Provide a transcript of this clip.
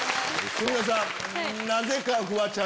なぜかフワちゃん。